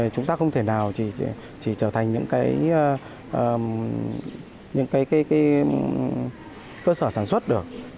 chúng ta không thể nào chỉ trở thành những cơ sở sản xuất được